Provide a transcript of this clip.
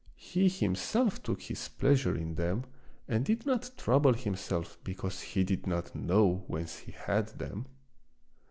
He him self took his pleasure in them and did not trouble himself because he did not know whence he had them.